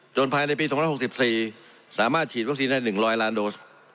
ภายในปี๒๖๔สามารถฉีดวัคซีนได้๑๐๐ล้านโดส